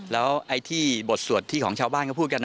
แล้วไอ้ที่บทสวดที่ของชาวบ้านเขาพูดกัน